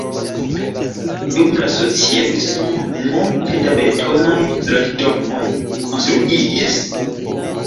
Dum la socialismo multe da betonaj loĝdomoj konstruiĝis.